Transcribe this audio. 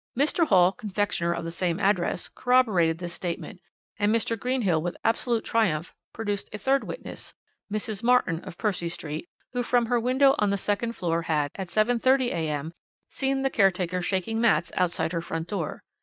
"Mr. Hall, confectioner, of the same address, corroborated this statement, and Mr. Greenhill, with absolute triumph, produced a third witness, Mrs. Martin, of Percy Street, who from her window on the second floor had, at 7.30 a.m., seen the caretaker shaking mats outside her front door.